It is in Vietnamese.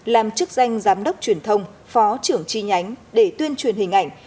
làm chức danh giám đốc truyền thông phó trưởng tri nhánh để tuyên truyền hình ảnh